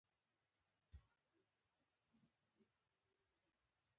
قلم د انسان فکر ښکاره کوي